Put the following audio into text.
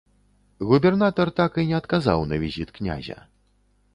Губернатар так і не адказаў на візіт князя.